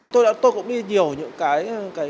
tôi cũng đi nhiều những cái